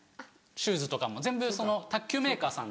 シューズとかも全部卓球メーカーさんが。